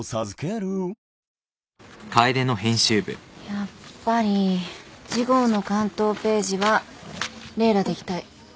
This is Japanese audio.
やっぱり次号の巻頭ページはレイラでいきたい。